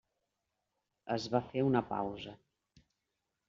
Es va fer una pausa.